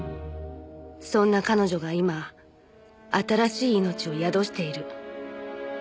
「そんな彼女が今新しい命を宿している」